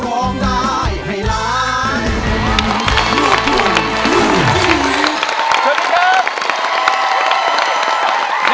สวัสดีครับ